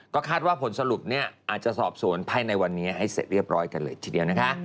ก็คาดว่าผลสรุปเนี่ยอาจจะสอบสวนภายในวันนี้ให้เสร็จเรียบร้อยกันเลยทีเดียวนะคะ